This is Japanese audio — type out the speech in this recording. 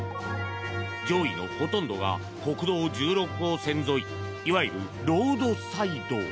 上位のほとんどが国道１６号線沿いいわゆるロードサイド。